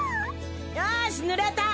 よし塗れた！